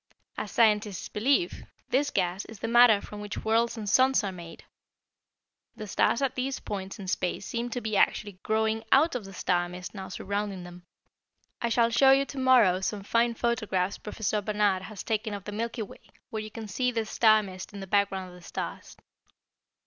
As scientists believe, this gas is the matter from which worlds and suns are made. The stars at these points in space seem to be actually growing out of the star mist now surrounding them. I shall show you to morrow some fine photographs Professor Barnard has taken of the Milky Way where you can see this star mist in the background of the stars.